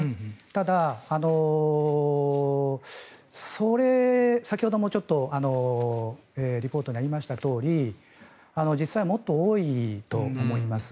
ただ、先ほどもリポートにありましたとおり実際はもっと多いと思います。